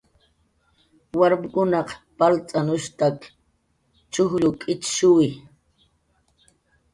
Warmkunaq palt'anushtak chujll k'ichshuwi.